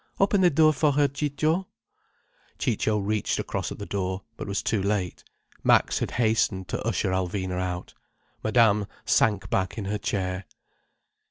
Open the door for her, Ciccio—" Ciccio reached across at the door, but was too late. Max had hastened to usher Alvina out. Madame sank back in her chair.